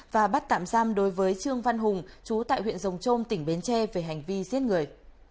và bắt tạm giam đối với trương văn hùng chú tại huyện rồng trôm tỉnh bến tre về hành vi giết người